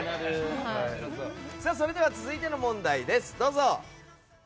それでは続いての問題です。